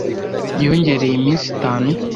Yongereye iminsi itanu .